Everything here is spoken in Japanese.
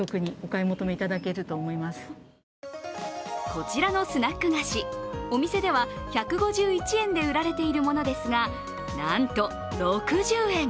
こちらのスナック菓子お店では１５１円で売られているものですがなんと６０円！